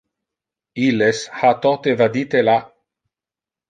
Illes ha totes vadite la.